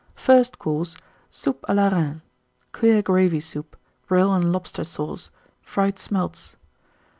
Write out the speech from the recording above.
FIRST COURSE. Soup a la Reine. Clear Gravy Soup. Brill and Lobster Sauce. Fried Smelts.